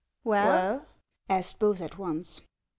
" Well ?" asked both at once.